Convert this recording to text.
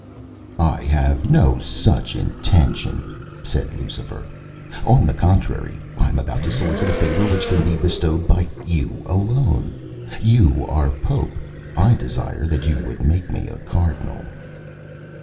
"I have no such intention," said Lucifer. "On the contrary, I am about to solicit a favour which can be bestowed by you alone. You are Pope, I desire that you would make me a Cardinal."